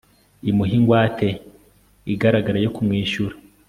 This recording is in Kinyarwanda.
imuhe ingwate igaragara yo kumwishyura